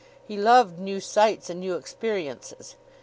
He loved new sights and new experiences.